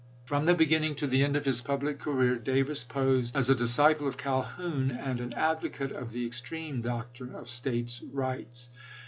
From the beginning to the end of his public career Davis posed as a disciple of Calhoun and an advocate of the extreme doctrine of States rights.